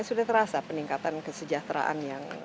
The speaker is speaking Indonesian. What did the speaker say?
sudah terasa peningkatan kesejahteraan yang